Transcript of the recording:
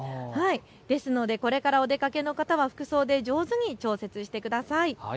ですのでこれからお出かけの方は服装で上手に調節してください。